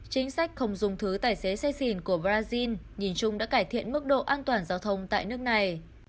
chính sách không dùng thứ tài xế xe xìn của brazil nhìn chung đã cải thiện mức độ an toàn giao thông tại nước này